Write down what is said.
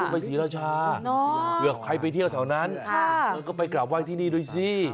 ไปสีราชาหรือใครไปเที่ยวแถวนั้นก็ไปกราบไหว้ที่นี่ด้วยซิ